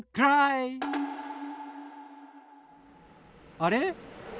あれ？